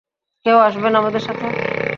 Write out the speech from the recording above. কেউ আসবেন আমাদের সাথে?